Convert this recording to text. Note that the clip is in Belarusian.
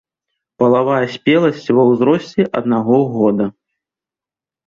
Палавая спеласць ва ўзросце аднаго года.